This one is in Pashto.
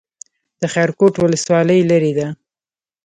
د خیرکوټ ولسوالۍ لیرې ده